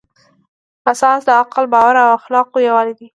اساس د عقل، باور او اخلاقو یووالی دی.